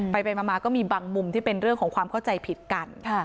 ไปมาก็มีบางมุมที่เป็นเรื่องของความเข้าใจผิดกัน